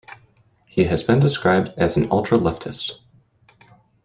He has been described as an ultra-leftist.